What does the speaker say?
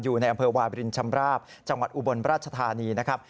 อยู่ในอำเภอวาบรินชำราบจังหวัดอุบลราชธานีนะครับ